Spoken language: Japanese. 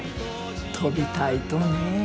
飛びたいとね。